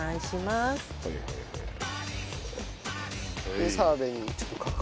で澤部にちょっと攪拌。